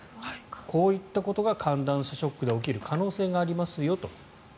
こういったことが寒暖差ショックで起きる可能性がありますよと。